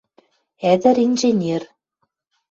Ӹдӹр-инженер.